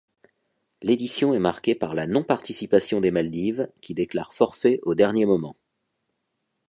L'édition est marquée par la non-participation des Maldives, qui déclarent forfait au dernier moment.